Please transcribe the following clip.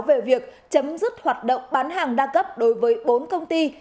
về việc chấm dứt hoạt động bán hàng đa cấp đối với bốn công ty